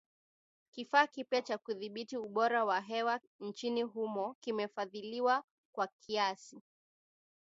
Kifaa kipya cha kudhibiti ubora wa hewa nchini humo kimefadhiliwa kwa kiasi.